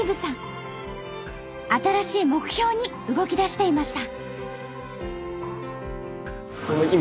新しい目標に動きだしていました。